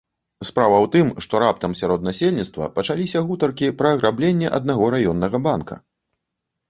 Справа ў тым, што раптам сярод насельніцтва пачаліся гутаркі пра аграбленне аднаго раённага банка.